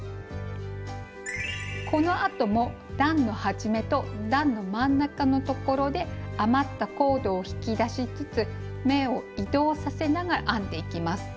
このあとも段の始めと段の真ん中のところで余ったコードを引き出しつつ目を移動させながら編んでいきます。